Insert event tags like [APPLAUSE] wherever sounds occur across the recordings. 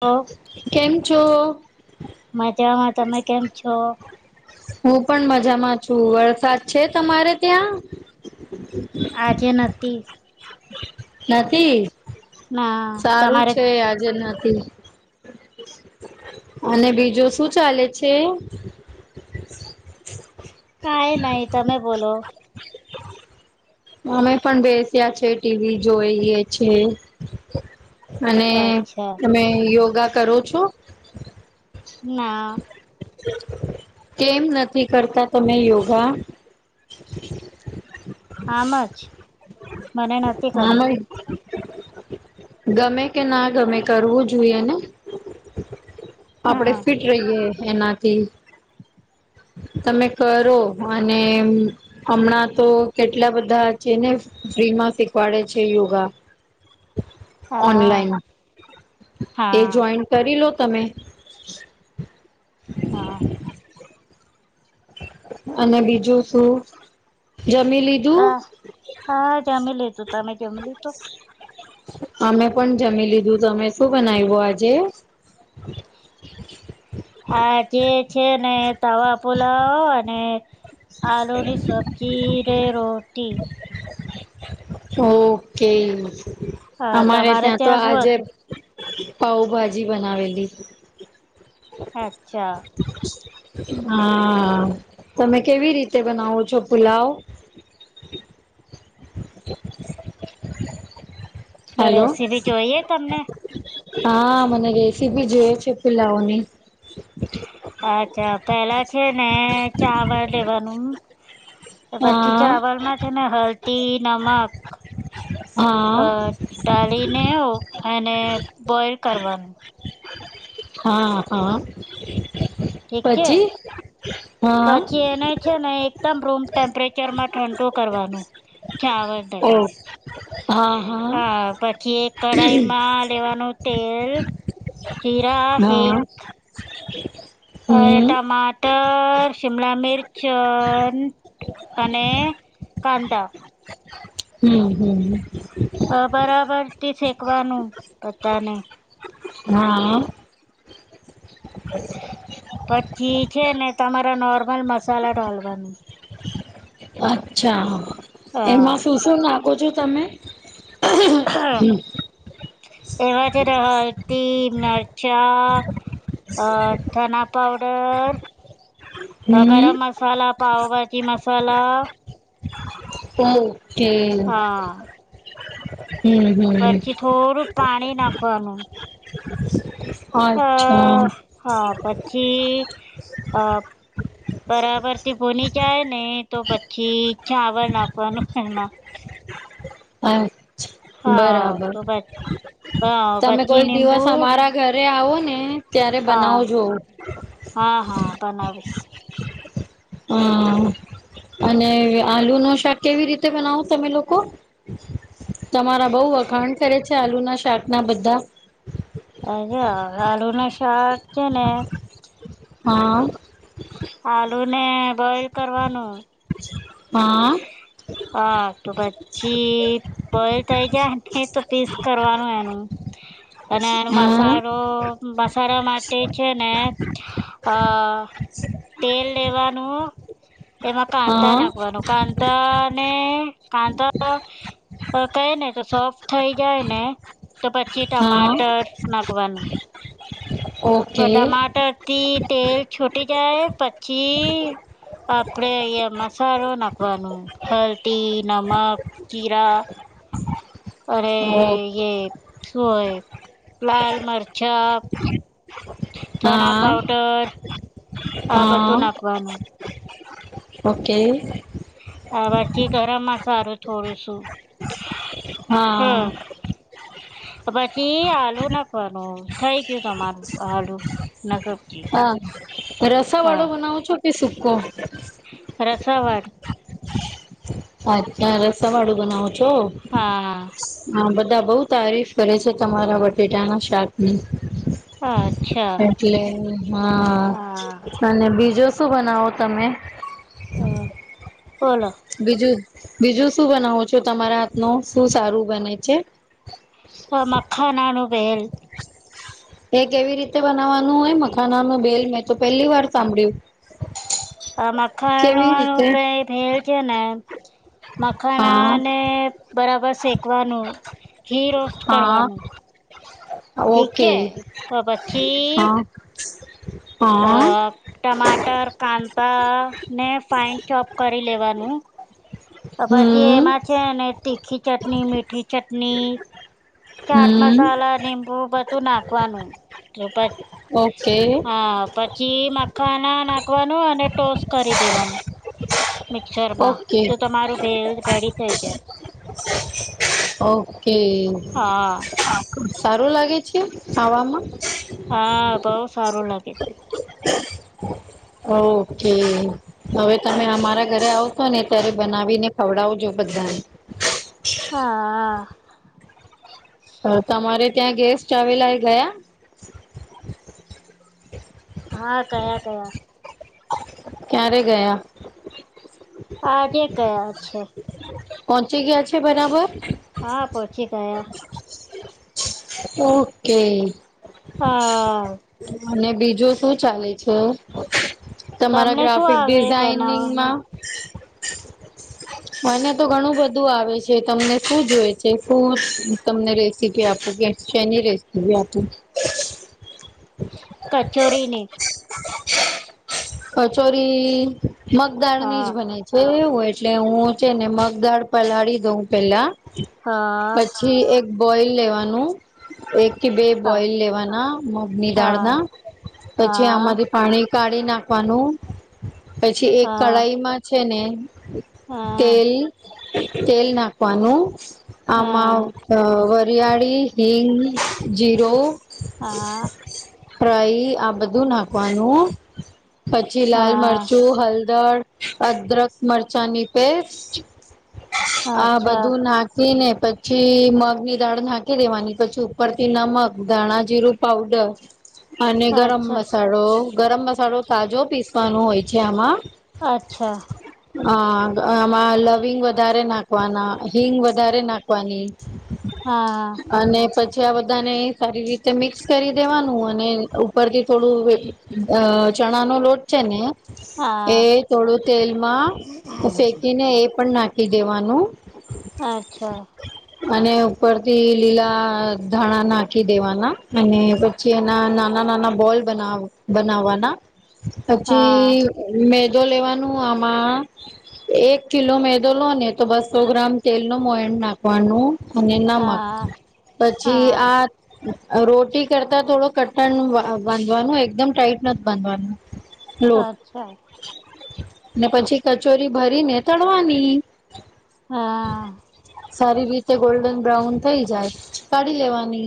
Of [INAUDIBLE] કેમ છો? મજામાં તમે કેમ છો? હું પણ મજામાં છું વરસાદ છે તમારે ત્યાં આજે નથી. નથી ના સારું તમારે છે આજે નથી. અને બીજું શું ચાલે છે. કઈ નહી તમે બોલો અમે પણ બેસ્યા છે ટીવી જોઈએ છે. અને અચ્છા તમે યોગા કરો છો? ના. કેમ નથી કરતા તમે યોગા. [INAUDIBLE] આમ જ મને નથી ગમે. હા ગમે કે ના ગમે કરવું જોઈએને. આપડે હા ફિટ રહીએ એનાથી [INAUDIBLE] તમે કરો અને હમણાં તો કેટલા બધા છે ને ફ્રી માં શીખવાડે છે યોગા હા ઓનલાઈન એ હા જોઈન કરી લો તમે હા. અને બીજું શું જમી લીધું? કા હા જમી લીશું તમે જમી લીધું. અમે પણ જમી લીધું તમે શું બનાવ્યું આજે. આ જે છે ને તવા પુલાવ અને આલુની સો સબ્જી ને રોટી ઓકે અ અમારે તમારે ત્યાં તો શું આજે હતું પાઉભાજી બનાવેલી. અચ્છા. હા તમે કેવી રીતે બનાવો છો પુલાવ. [INAUDIBLE] તો હેલો રેસીપી જોઈએ તમને. હા મને રેસીપી જોય છે પુલાઓ ની. અચ્છા પેલા છે ને ચાવલ લેવાનું. પછી હા ચાવલમાં છે ને હળદી નમક હા અ. ગાળીને એને બોઈલ કરવાનું. હા હા ઠીક છે પછી હા. પછી એને છે ને એકદમ રૂમ ટેમ્પરેચરમાં ઠંડુ કરવાનું. ચાવર દઈ ઓ હા હા હ પછી એક કઢાઈમાં લેવાનું તેલ જીરા હા હિંગ. [INAUDIBLE] ટમાટ ત શિમલા મિરચ અને કાંદા. હમ હમ. અ બરાબરથી શેકવાનું પતાને. હા. પછી છે ને તમારા નોર્મલ મસાલા ડાલવાનું. અચ્છા હા એમાં શું શું નાખો છો તમે. હમ એમાં છે હળદી મરચાં ધના પાવડર અ ગરમ હમ મસાલા પાવભાજી મસાલા. ઓકે હા હમ. હમ પછી થોડુંક પાણી નાખવાનું. અ અચ્છા. હા પછી અ બરાબર થી બુની જાય ને તો પછી ચાવલ નાખવાનું એમાં. અચ્છા હા બરાબર તો બસ હ તમે પછી કોઈ નિમ્બુ દિવસ અમારા ઘરે આવો ને ત્યારે હા બનાવજો. હા હા બનાવીશ. હા. અને આલુ નો શાક કેવી રીતે બનાવો તમે લોકો. તમારા બઉ વખાણ કરે છે આલુ ના શાક ના બધા. અજા આલુ ના શાક છે ને હા. આલુ ને બોઈલ કરવાનું. હા. હા તો પછી બોઇલ થઈ જાય નહી તો પીસ કરવાનું એનું. અને એનો મસાલો મસાલા માટે છે ને અ તેલ લેવાનું એમાં કાંતા હા નાખવાનું કાંતા અને કાંધા કહે ને તો સોફ્ટ થઈ જાય ને તો પછી હા હા ટમાટર નાખવાનું. ઓ. ટમાટરથી તેલ છૂટી જાય પછી આપણે અહીંયા મસાલો નાખવાનું હળદી નમક જીરા. અરે ઓ યે શું યે લાલ મરચાં ધણા હા પાવડર આ હા બધું નાખવાનું. ઓકે. હ પછી ગરમ મસાલો થોડું શું હા હમ. પછી આલુ નાખવાનું થઈ ગયું તમારું આલુ ના સબ હા રસા વાળો બનાવો છો કે સુકો. રસાવાળ. અચ્છા રસ વાળું બનાવો છો. હા. હા બધા બઉ તારીફ કરે છે તમારા બટેટાના શાક ની. હા. એટલે હા હા અને બીજો શું બનાવો તમે. અ પલ બીજું બીજું શું બનાવો છો તમારા હાથ નું શું સારું બને છે. મખાના નો ભેલ. એ કેવી રીતે બનાવવાનું હોય મખાનાનું બેલ મેં તો પહેલી વાર સાંભળ્યું. આ કેવી મખાનાનો રીતે ભેલ છે ને હા મખાનાને બરાબર શેકવાનું. ઘી રોસ્ટ હા કરવાનું ઠીક હે ઓકે હ પછી [INAUDIBLE] અહ ટમાટર કાંતા ને ફાઇન ચોપ કરી લેવાનું તો પછી હમ એમાં છે ને તીખી ચટણી મીઠી ચટણી ચાટ હમ મસાલા ને બો બધું નાખવાનું પ ઓકે હા પછી મખાના નાખવાનું અને ટોસ કરી દેવાનું. મિક્સરમાં ઓકે તો તમારો ભેલ રેડી થઈ જાય. ઓકે. હા. સારું લાગે છે ખાવામાં. હા બઉ સારું લાગે છે. ઓકે હવે તમે અમારા ઘરે આવશો ને ત્યારે બનાવીને ખવડાવજો બધાને. હા. હવે તમારે ત્યાં ગેસ્ટ આવેલા એ ગયા? હા કયા કયા? ક્યારે ગયા? આજે ગયા છે. પહોંચી ગયા છે બરાબર? હા, પહોંચી ગયા. ઓકે. હા. અને બીજું શું ચાલે છે? તમારા તમને શું ગ્રાફિક આવડે બનાવવાનું ડિઝાઇનિંગમાં મને તો ઘણું બધું આવે છે તમને શું જોય છે ફૂડ તમને રેસીપી આપું કે શની રેસીપી આપું? કચોરીની. કચોરી મગદાળ ની જ હા બનાઈ છે એવું એટલે હું છે ને મગદાળ પલાળી દઉં પેલા. હા પછી એક બોઇલ લેવાનું એક કે બે હા બોઇલ લેવાના મગ નિ હા દાળના પછી હા આમાંથી પાણી કાઢી નાખવાનું પછી એક હા કઢાઈમાં છે ને હા તેલ તેલ નાખવાનું હા આમાંવ અહ વરિયાળી, હિંગ, જીરો હા. ફ્રાઈ આ બધું નાખવાનું. પછી લાલ હા મરચું હલદર અદરખ મરચાંની પેસ્ટ આ અચ્છા બધું નાક ખી ને પછી મગ ની દાળ નાખી દેવાની પછી ઉપરથી નમક ધાણાજીરું પાવડર અને ગરમ અચ્છા મસાળો ગરમ મસાળો તાજો પીસવાનો હોય છે આમાં. આચ્છા. હા આમાં લવિંગ વધારે નાખવાના હિંગ વધારે નાખવાની. હાઆ. અને પછી આ બધાને સારી રીતે મિક્સ કરી દેવાનું અને ઉપરથી થોડું વેત અહ ચણાનો લોટ છે ને હા એ થોડું તેલમાં સેકીને એ પણ નાખ ખી દેવાનું આચ્છા. અને ઉપરથી લીલા અ ધાણા નાખી દેવાના અને પ છી એના નાના નાના બોલ બનાવ બનાવવાના પછી હા મેદો લેવાનું આમાંઅ એક કિલો મેદો લો ને તો બસ સો ગ્રામ તેલ નો મોએડ નાખવાનું અને નમક હા પછી હા આ રોટી કરતા થોડો કટન વા બાંધવાનું એકદમ ટાઈટ નથ બાંધવાનું. લોટ. અચ્છા ને પછી કચોરી ભરીને તડવાની. હાઆ. સારી રીતે ગોલ્ડન બ્રાઉન થઇ જાય કાઢી લેવાની.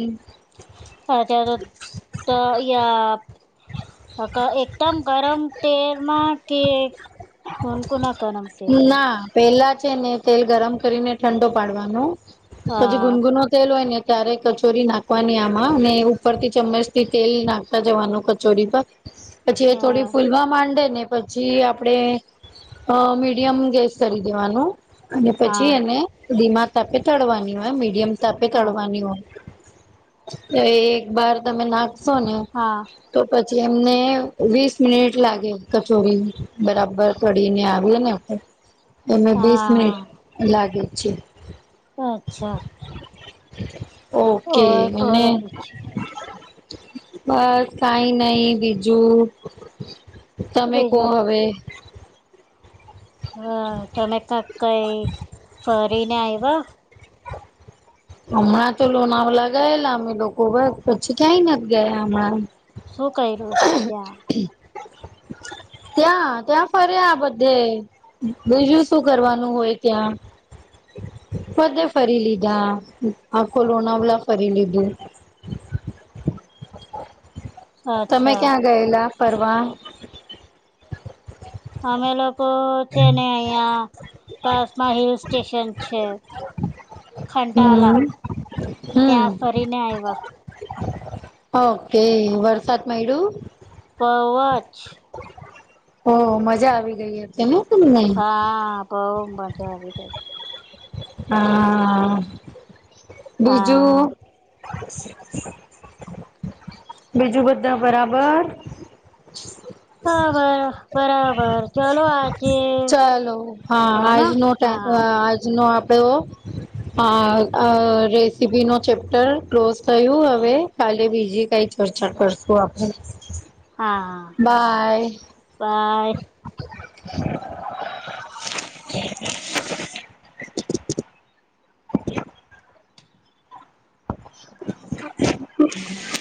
હજારોત તો યા હક એકદમ ગરમ તેલમાં કે મુનકુના કનમ તેલમાં ના પેલા છે ને તેલ ગરમ કરીને ઠંડો પાડવાનો પછી હા ગુનગુનો તેલ ઓય ને તારે કચોરી નાખવાની આમાં અને ઉપરથી ચમચ થી તેલ નાખતા જવાનું કચોરી પર પછી એ હા થોડી ફૂલવા માંડે ને પછી આપણે મીડિયમ ગેસ કરી દેવાનું અને હા પછી એને ધીમા તાપે તળવાની હોય મીડિયમ તાપે હા તડવાની હોય તો એક બાર તમે નાખશો ને હા તો પછી એમને વીસ મિનિટ લાગે કચોરીને બરાબર તડીને આવી ને એમે બીસ મિનિટ હા લાગે છે. અચ્છા ઓકે ઓર મને બોલો બીજું બસ કાઈ નય બીજું તમે કો બીજું હવે હ તમે કાક કઈ ફરીને આયવા હમણાં તો લોનાવલા ગયેલા અમે લોકો બસ પછી ક્યાંય નથી ગયા અમણાં શું કયરું ત્યાં ત્યાં ત્યાં ફરયા બધે બીજું શું કરવાનું હોય ત્યાં પધે ફરી લીધા આખોલોનાવલા ફરી લીધું તમે અચ્છા ક્યાં ગયેલા ફવા અમે લોકો છે ને અહિયાં પાસમાં હિલ સ્ટેશન છે ખંટાલા હમ હમ ત્યાં ફરીને આવ્યા ઓકે વરસાદમાંઈડું પવચ ઓ મજા આવી ગઈ એ કેમે શ નહી હા બઉ મજા આવી ગઈ હા બીજું હા [INAUDIBLE] બીજું બધા બરાબર હા બરાબર ચાલ આજે ચાલો હા હ ને આજનો હા આજનો આપડે અ રેસીપી નો ચેપ્ટર ક્લોઝ થયું હવે કાલે બીજી કઈ ચર્ચા કરશું આપણે હાા બાય પાય પણ ન ખ હ